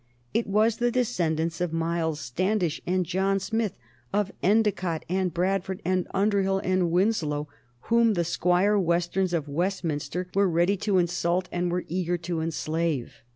It was the descendants of Miles Standish and John Smith, of Endicott and Bradford and Underhill and Winslow whom the Squire Westerns of Westminster were ready to insult and were eager to enslave.